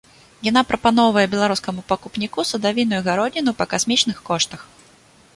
Яна прапаноўвае беларускаму пакупніку садавіну і гародніну па касмічных коштах.